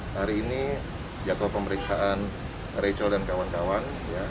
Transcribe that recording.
hari ini jadwal pemeriksaan rachel dan kawan kawan